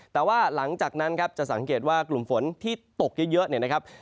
แต่ว่าหลังจากนั้นจะสังเกตว่ากลุ่มฝนที่ตกเยอะ